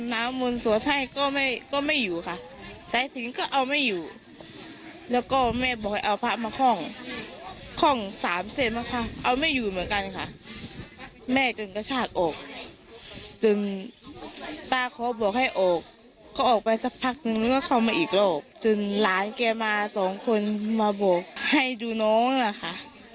นึกว่าเขามาอีกโลกจนหลานแกมาสองคนมาบอกให้ดูน้องล่ะค่ะ